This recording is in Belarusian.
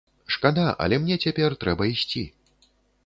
Шкада, але мне цяпер трэба ісці.